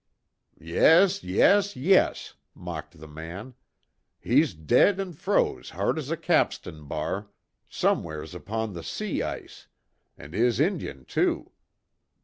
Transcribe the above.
"Yes, yes, yes," mocked the man, "He's dead an' froze hard as a capstan bar, somewheres upon the sea ice, an' his Injun, too.